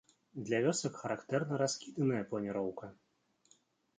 Для вёсак характэрна раскіданая планіроўка.